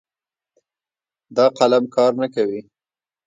دا قلم کار نه کوي